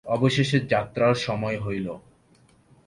অবশেষে যাত্রার সময় হইল।